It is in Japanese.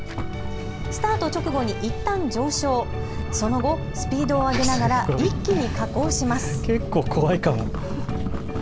スタート直後にいったん上昇、その後、スピードを上げながら一気に下降します。